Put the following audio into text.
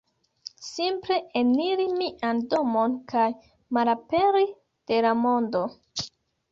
simple eniri mian domon kaj malaperi de la mondo